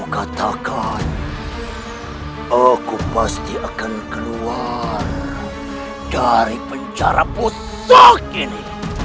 katakan aku pasti akan keluar dari penjara putra ini